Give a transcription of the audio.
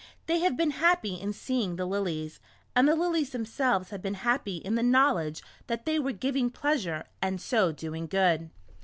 They have been happy in seeing the lilies, and the lilies themselves have been happy in the knowledge that they were giving pleasure, and so doing good."